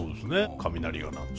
雷が鳴って。